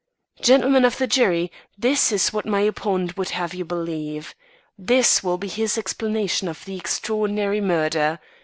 "Gentlemen of the jury, this is what my opponent would have you believe. This will be his explanation of this extraordinary murder.